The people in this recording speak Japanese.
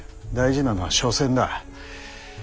大事なのは緒戦だ。